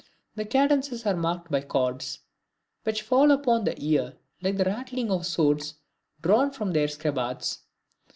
The cadences are marked by chords, which fall upon the ear like the rattling of swords drawn from their scabbards.